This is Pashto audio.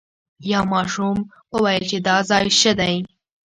یو ماشوم وویل چې دا ځای ښه دی.